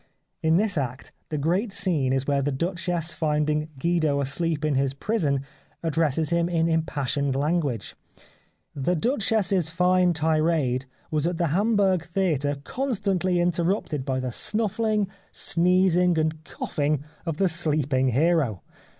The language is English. In this act the great scene is where the Duchess finding Guido asleep in his prison addresses him in impassioned language. The Duchess's fine tirade was at the Hamburg theatre constantly interrupted by the snuffling, sneezing, and cough ing of the sleeping hero.